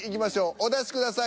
お出しください。